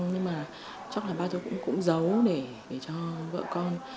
nhưng mà chắc là ba tôi cũng giấu để cho vợ con